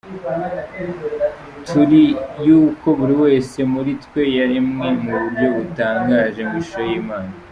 Turi yuko buri wese muri twe yaremwe mu buryo butangaje, mu ishusho y’Imana.